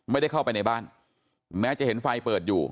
ไม่ได้เข้าไปในบ้านแม้จะเห็นไฟเปิดอยู่